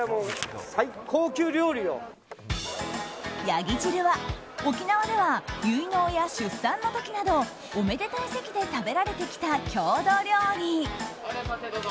ヤギ汁は、沖縄では結納や出産の時などおめでたい席で食べられてきた郷土料理。